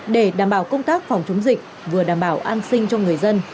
để đảm bảo công tác phòng chống dịch vừa đảm bảo an sinh cho người dân